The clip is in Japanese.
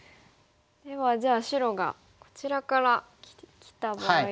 ではじゃあ白がこちらからきた場合には。